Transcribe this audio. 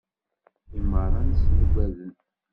I meṛṛa-nsen ugaden.